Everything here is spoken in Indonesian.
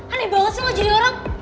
aneh banget sih mau jadi orang